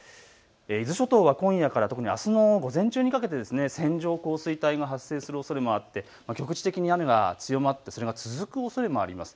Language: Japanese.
伊豆諸島は今夜から特にあすの午前中にかけて線状降水帯の発生するおそれもあって局地的に雨が強まってそれが続くおそれもあります。